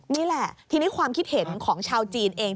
นี่แหละทีนี้ความคิดเห็นของชาวจีนเอง